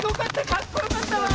かっこよかったわ！